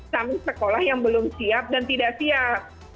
sampai sekolah yang belum siap dan tidak siap